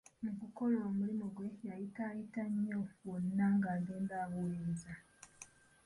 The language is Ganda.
Mu kukola omulimu gwe yayitaayita nnyo wonna ng'agenda abuuliriza.